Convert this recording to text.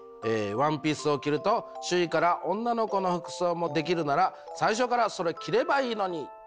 ワンピースを着ると周囲から女の子の服装もできるなら最初からそれ着ればいいのにと言われました。